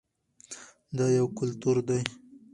دا یو کلتور دی.